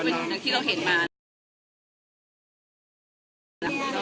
มีแต่โดนล้าลาน